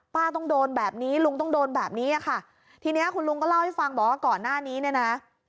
ต้องโดนแบบนี้ลุงต้องโดนแบบนี้อ่ะค่ะทีเนี้ยคุณลุงก็เล่าให้ฟังบอกว่าก่อนหน้านี้เนี่ยนะ